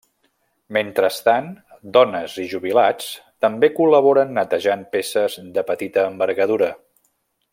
Mentrestant, dones i jubilats també col·laboraven netejant peces de petita envergadura.